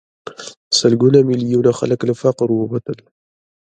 سلګونه میلیونه خلک له فقر ووتل.